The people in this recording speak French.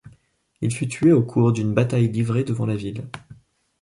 Il fut tué au cours d’une bataille livrée devant la ville.